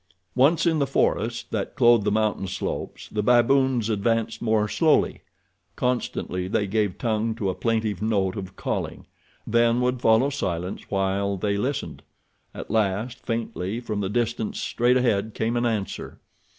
Once in the forest that clothed the mountain slopes the baboons advanced more slowly. Constantly they gave tongue to a plaintive note of calling. Then would follow silence while they listened. At last, faintly from the distance straight ahead came an answer.